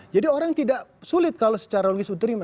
jadi orang tidak sulit kalau secara logis diterima